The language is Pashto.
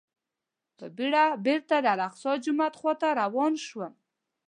په بېړه بېرته د الاقصی جومات خواته روان شوم.